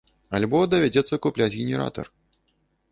Альбо давядзецца купляць генератар.